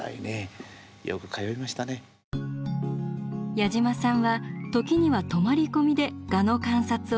矢島さんは時には泊まり込みでガの観察を続けました。